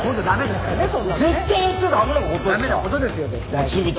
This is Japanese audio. だめなことですよ絶対。